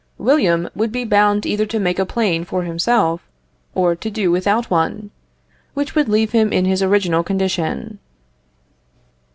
William would be bound either to make a plane for himself, or to do without one, which would leave him in his original condition.